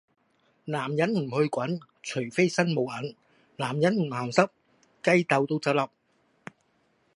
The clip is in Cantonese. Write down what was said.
男人唔去滾，除非身冇銀;男人唔鹹濕，雞竇都執粒!